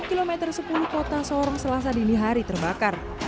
kilometer sepuluh kota sorong selasa dinihari terbakar